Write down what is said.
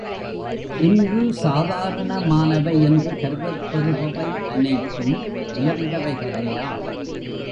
இன்று சாதாரணமானவை என்று கருதப் பெறுபவை அனைத்தும் உயர்ந்தவைகளேயாம்.